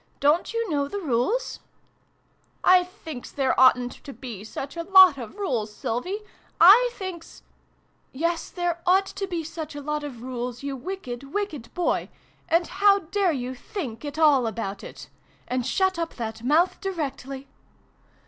" Don't you know the Rules ?"" I thinks there oughtn't to be such a lot of Rules, Sylvie ! I thinks " Yes, there ought to be such a lot of Rules, you wicked, wicked boy ! And how dare you think at all about it ? And shut up that mouth directly